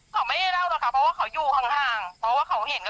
เขาไม่ได้เล่านะคะเพราะว่าเขาอยู่ข้าง